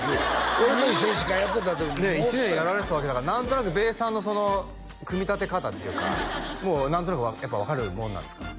俺と一緒に司会やってた時もおっさんねえ１年やられてたわけだから何となくべーさんの組み立て方っていうかもう何となくやっぱ分かるもんなんですか？